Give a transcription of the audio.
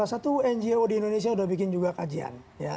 satu ngo di indonesia sudah bikin juga kajian